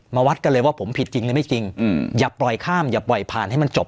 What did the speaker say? วัดกันเลยว่าผมผิดจริงหรือไม่จริงอย่าปล่อยข้ามอย่าปล่อยผ่านให้มันจบ